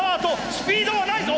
スピードはないぞ！